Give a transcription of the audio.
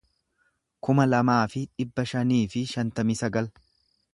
kuma lamaa fi dhibba shanii fi shantamii sagal